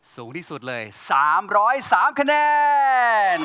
สูงที่สุดเลย๓๐๓คะแนน